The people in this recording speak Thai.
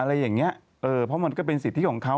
อะไรอย่างนี้เออเพราะมันก็เป็นสิทธิของเขา